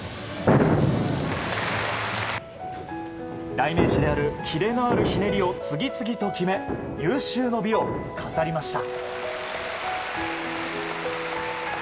代名詞であるキレのあるひねりを次々と決め有終の美を飾りました。